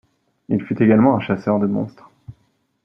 Il fut également un chasseur de monstre.